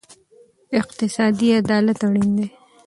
اقتصادي عدالت اړین دی.